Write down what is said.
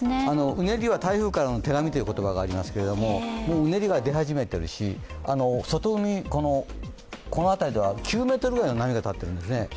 うねりは台風からの手紙という言葉がありますけどもうねりが出始めているし、この辺りでは９ｍの波がたっているんですね。